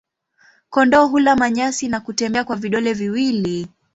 Kondoo hula manyasi na kutembea kwa vidole viwili.